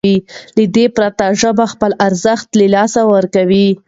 له دې پرته ژبه خپل ارزښت له لاسه ورکوي.